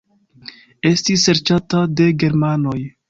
Estis serĉata de germanoj.